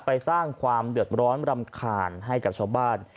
สร้างความเดือดร้อนรำคาญให้กับชาวบ้าน